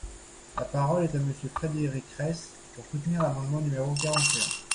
La parole est à Monsieur Frédéric Reiss, pour soutenir l’amendement numéro quarante et un.